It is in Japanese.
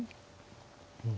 うん。